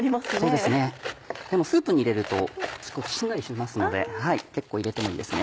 でもスープに入れるとしんなりしますので結構入れてもいいですね。